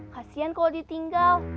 kasian kalau dia tinggal